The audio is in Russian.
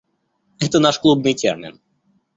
Это наш клубный термин.